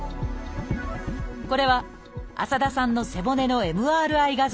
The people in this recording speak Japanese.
これは浅田さんの背骨のＭＲＩ画像です。